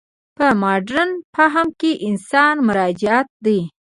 په مډرن فهم کې انسان مرجعیت دی.